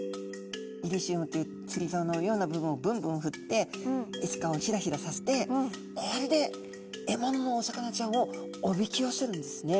イリシウムというつりざおのような部分をぶんぶんふってエスカをひらひらさせてこれで獲物のお魚ちゃんをおびき寄せるんですね。